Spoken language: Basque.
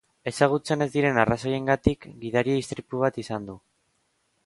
Ezagutzen ez diren arrazoiengatik, gidaria istripu bat izan du.